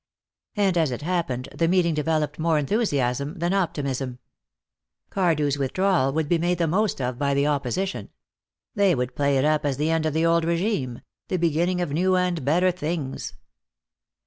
And, as it happened, the meeting developed more enthusiasm than optimism. Cardew's withdrawal would be made the most of by the opposition. They would play it up as the end of the old regime, the beginning of new and better things.